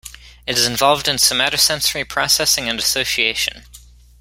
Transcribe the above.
It is involved in somatosensory processing and association.